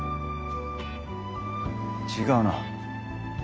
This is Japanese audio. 違うな。